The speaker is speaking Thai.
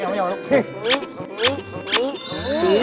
ไม่เอาพี่